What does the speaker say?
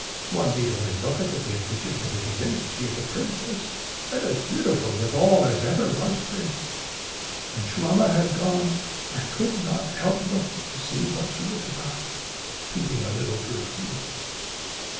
One need only look at the dear creature to be convinced she is a princess, and as beautiful withal as ever was princess. When Swammer had gone, I could not help looking to see what she was about, and peeping a little through the key hole.